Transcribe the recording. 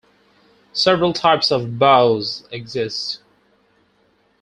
Several types of bows exist.